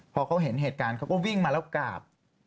พอเขาเห็นเหตุการณ์เขาก็วิ่งมาแล้วกราบ